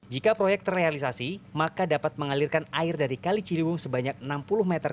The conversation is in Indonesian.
jika proyek terrealisasi maka dapat mengalirkan air dari kali ciliwung sebanyak enam puluh meter